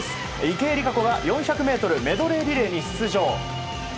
池江璃花子が４００ｍメドレーリレーに出場。